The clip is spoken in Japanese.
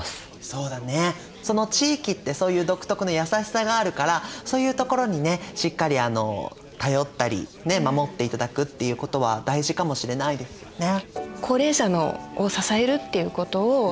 そうだねその「地域」ってそういう独特の優しさがあるからそういうところにねしっかり頼ったり守っていただくっていうことは大事かもしれないですよね。